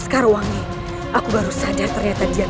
sekarang aku baru sadar ternyata dia menyerah